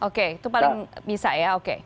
oke itu paling bisa ya oke